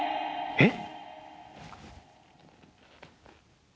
えっ？